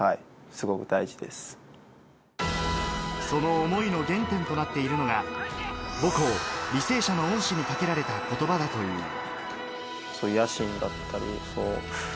その思いの原点となっているのが母校・履正社の恩師にかけられた言葉だという。